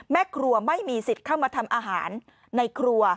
แม่ครัวไม่มีสิทธิ์เข้ามาทำอาหารในครัว